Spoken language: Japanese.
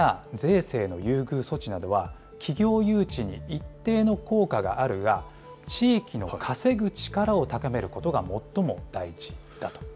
補助金や税制の優遇措置などは、企業誘致に一定の効果があるが、地域の稼ぐ力を高めることが最も大事だと。